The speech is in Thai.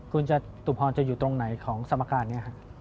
คุณจตุพรจะอยู่ตรงไหนของสมการนี้ครับ